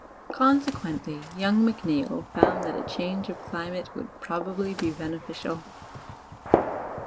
Consequently, young Macneill found that a change of climate would probably be benefi cial.